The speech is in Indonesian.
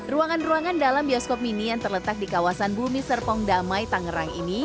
ruangan ruangan dalam bioskop mini yang terletak di kawasan bumi serpong damai tangerang ini